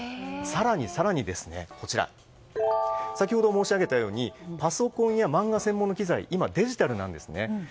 更に更に先ほど申し上げたようにパソコンや漫画専門の機材は今デジタルなんです。